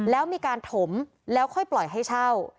แล้วมีการถมแล้วค่อยปล่อยให้เช่า